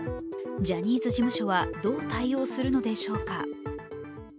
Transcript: ジャニーズ事務所はどう対応するのでしょうか